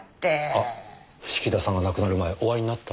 あっ伏木田さんが亡くなる前お会いになった？